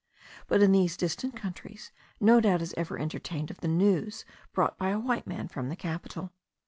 But in these distant countries no doubt is ever entertained of the news brought by a white man from the capital.